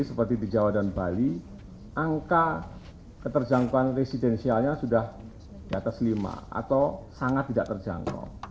seperti di jawa dan bali angka keterjangkauan residensialnya sudah di atas lima atau sangat tidak terjangkau